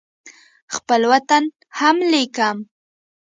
خپل وطن هم لیکم.